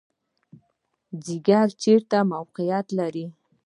ځیګر چیرته موقعیت لري؟